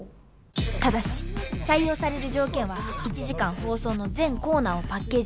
ただし採用される条件は１時間放送の全コーナーをパッケージする事。